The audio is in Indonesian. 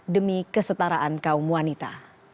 demi kesetaraan kaum wanita